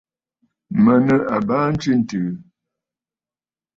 Mə̀ nɨ̂ àbaa ntswêntɨ̀ɨ̀.